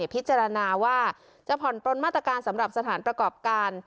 พิจารณาว่าจะผ่อนปลนมาตรการสำหรับสถานประกอบการ